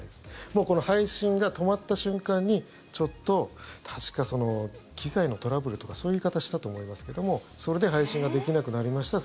もう、この配信が止まった瞬間にちょっと確か、機材のトラブルとかそういう言い方したと思いますがそれで配信ができなくなりました